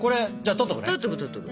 取っとく取っとく。